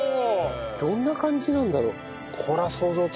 どんな感じなんだろう？